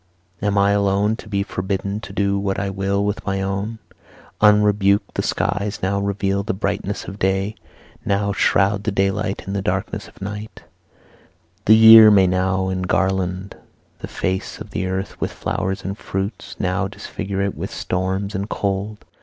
Am I alone to be forbidden to do what I will with my own? Unrebuked, the skies now reveal the brightness of day, now shroud the daylight in the darkness of night; the year may now engarland the face of the earth with flowers and fruits, now disfigure it with storms and cold.